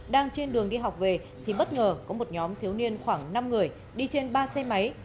đang trên đường đi học về thì bất ngờ có một nhóm thiếu niên khoảng năm người đi trên ba xe máy